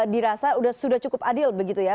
dirasa sudah cukup adil begitu ya